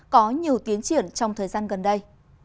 có nhiều tiến triển trong thời gian gần đây